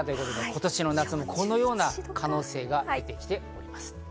今年の夏もこのような可能性が出てきております。